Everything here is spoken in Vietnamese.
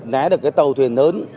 né được cái tàu thuyền lớn